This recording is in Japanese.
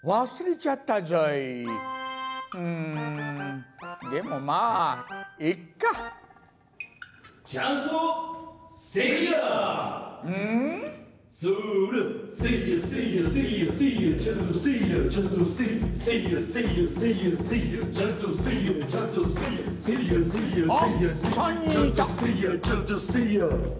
ちゃんとせいや！」